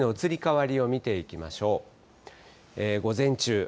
天気の移り変わりを見ていきましょう。